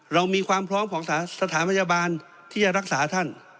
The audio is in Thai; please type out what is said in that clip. เรามีความพร้อมของสถานพยาบาลที่จะรักษาท่าน